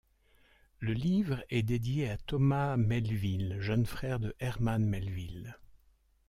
Le livre est dédié à Thomas Melville, jeune frère de Herman Melville.